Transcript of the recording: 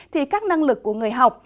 thì các năng lực của người học